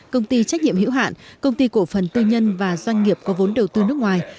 công ty trách nhiệm hữu hạn công ty cổ phần tư nhân và doanh nghiệp có vốn đầu tư nước ngoài